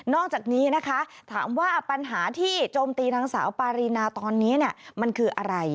อกจากนี้นะคะถามว่าปัญหาที่โจมตีนางสาวปารีนาตอนนี้มันคืออะไร